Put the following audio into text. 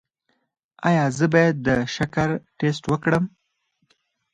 ایا زه باید د شکر ټسټ وکړم؟